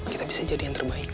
kita bisa jadi yang terbaik